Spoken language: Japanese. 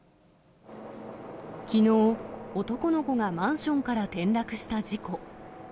きのう、男の子がマンションから転落した事故。